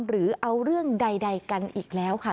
หรือเอาเรื่องใดกันอีกแล้วค่ะ